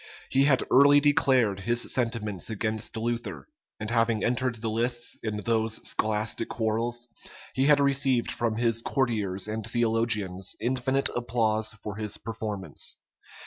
He had early declared his sentiments against Luther; and having entered the lists in those scholastic quarrels, he had received from his courtiers and theologians infinite applause for his performance.